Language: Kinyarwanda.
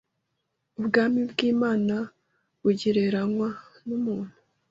Ubwami bw’Imana bugereranywa n’umuntu